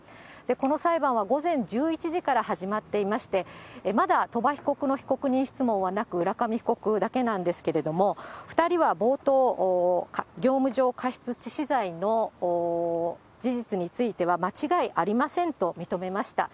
この裁判は午前１１時から始まっていまして、まだ鳥羽被告の被告人質問はなく、浦上被告だけなんですけれども、２人は冒頭、業務上過失致死罪の事実については間違いありませんと認めました。